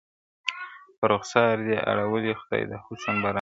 o پر رخسار دي اورولي خدای د حُسن بارانونه,